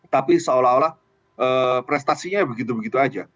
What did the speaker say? tapi seolah olah prestasinya begitu begitu aja